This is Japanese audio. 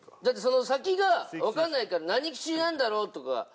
だってその先がわからないから何吉なんだろうとか。